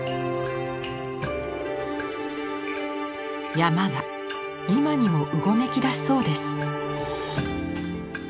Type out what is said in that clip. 山が今にもうごめきだしそうです。